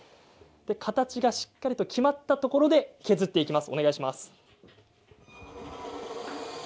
形がしっかり決まったところで削っていきます。